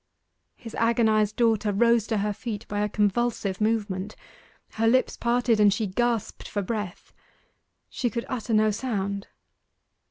His agonized daughter rose to her feet by a convulsive movement. Her lips parted, and she gasped for breath. She could utter no sound.